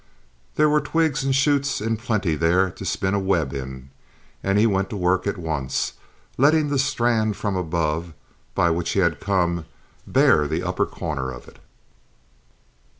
There were twigs and shoots in plenty there to spin a web in, and he went to work at once, letting the strand from above, by which he had come, bear the upper corner of it.